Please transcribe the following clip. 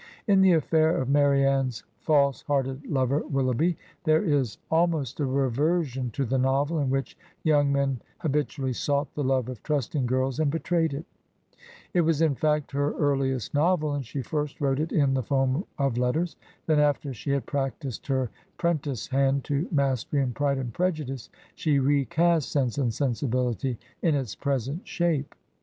In the affair of Marianne's false hearted lover Willoughby there is al most a reversion to the novel in which young men habit ually sought the love of trusting girls and betrayed it. It was in fact her earliest novel and she first wrote it in the form of letters. Then, after she had practised her 'prentice hand to mastery in "Pride and Prejudice," she recast " Sense and Sensibility " in its present shape.